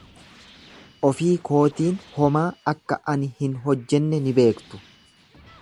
Ofii kootiin homaa akka ani hin hojjenne ni beektu.